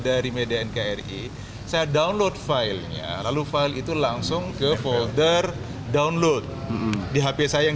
dari media nkri saya download file nya lalu file itu langsung ke folder download di hp saya yang